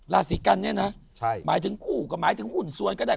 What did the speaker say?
ราศีกันเนี่ยนะหมายถึงคู่ก็หมายถึงหุ่นสวนก็ได้